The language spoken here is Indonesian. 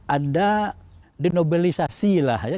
ada dinobilisasi lah ya